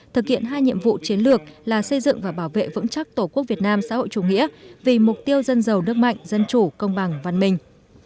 thực hiện hai nhiệm vụ chiến lược là xây dựng và bảo vệ vững chắc tổ quốc việt nam xã hội chủ nghĩa vì mục tiêu dân giàu nước mạnh dân chủ công bằng văn minh